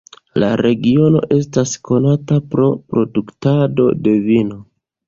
La regiono estas konata pro produktado de vino.